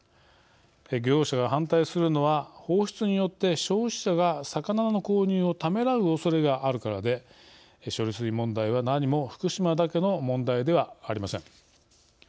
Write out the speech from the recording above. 漁業者が反対するのは放出によって消費者が魚の購入をためらうおそれがあるからで処理水問題は何も福島だけの問題ではありません。